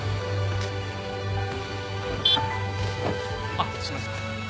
あっすいません。